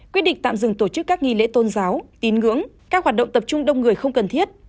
quyết định tạm dừng tổ chức các nghi lễ tôn giáo tín ngưỡng các hoạt động tập trung đông người không cần thiết